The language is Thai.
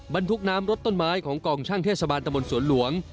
บรรทุกน้ำรถต้นไม้ของกองช่างเทศบาลตะบนสวนหลวง